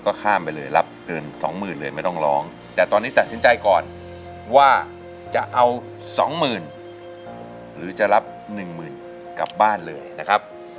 ก็ข้ามไปเลยรับเกินสองหมื่นเลยไม่ต้องร้องแต่ตอนนี้ตัดสินใจก่อนว่าจะเอาสองหมื่นหรือจะรับหนึ่งหมื่นกลับบ้านเลยนะครับ